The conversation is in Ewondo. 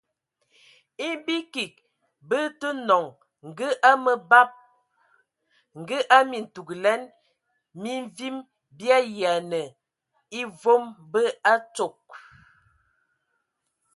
E bi kig bə tə nɔŋ ngə a məbad, ngə a mintugəlɛn, mi mvim bi ayiɛnə e vom bə atsog.